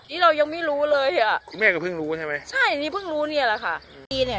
นี่เรายังไม่รู้เลยอ่ะคุณแม่ก็เพิ่งรู้ใช่ไหมใช่อันนี้เพิ่งรู้เนี่ยแหละค่ะอีเนี้ย